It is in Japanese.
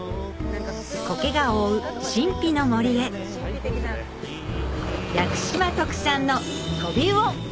苔が覆う神秘の森へ屋久島特産のトビウオ！